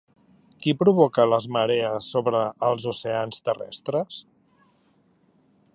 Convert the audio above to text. Qui provoca les marees sobre els oceans terrestres?